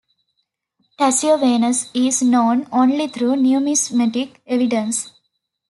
Tasciovanus is known only through numismatic evidence.